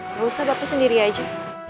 gak usah bapak sendiri aja